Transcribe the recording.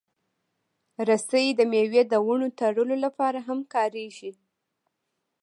رسۍ د مېوې د ونو تړلو لپاره هم کارېږي.